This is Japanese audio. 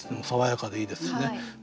爽やかでいいですよね。